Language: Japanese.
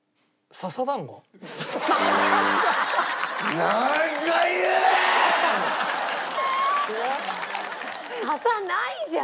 笹ないじゃん！